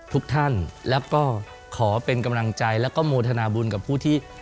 ทุกท่านแล้วก็ขอเป็นกำลังใจแล้วก็โมทนาบุญกับผู้ที่